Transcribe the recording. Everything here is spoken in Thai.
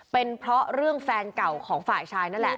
เป็นเพราะเรื่องแฟนเก่าของฝ่ายชายนั่นแหละ